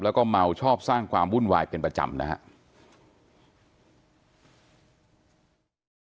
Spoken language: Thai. แล้วก็เมาชอบสร้างความวุ่นวายเป็นประจำนะครับ